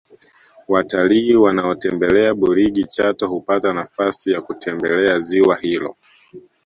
Watalii wanaotembelea burigi chato hupata nafasi ya kutembelea ziwa hilo